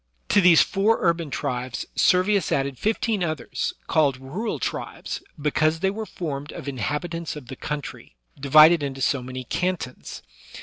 To these four urban tribes Servius added fifteen others, called rural tribes, because they were formed of inhabit ants of the country, divided into so many cantons.